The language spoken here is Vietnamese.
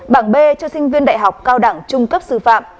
bảng b cho sinh viên đại học cao đẳng trung cấp sư phạm